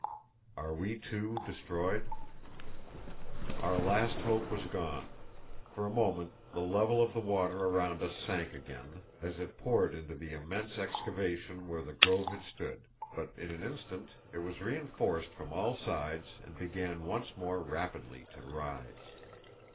Are We, Too, Destroyed? Our last hope was gone. For a moment the level of the water around us sank again, as it poured into the immense excavation where the grove had stood, but in an instant it was reinforced from all sides and began once more rapidly to rise.